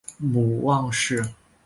母汪氏。